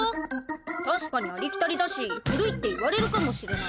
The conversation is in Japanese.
確かにありきたりだし古いって言われるかもしれない。